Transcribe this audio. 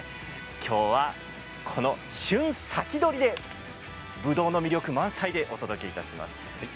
きょうは旬先取りでぶどうの魅力満載でお届けいたします。